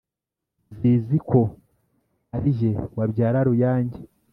zizi ko ari jye wabyara ruyange